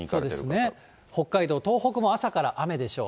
そうですね、北海道、東北も朝から雨でしょう。